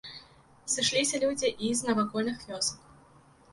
Сышліся людзі і з навакольных вёсак.